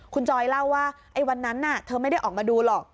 คุณจอยเล่าว่าวันนั้นเธอไม่ได้ออกมาดูหรอก